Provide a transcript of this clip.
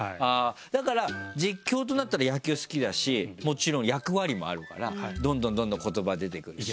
だから実況となったら野球好きだしもちろん役割もあるからどんどんどんどん言葉出てくるし。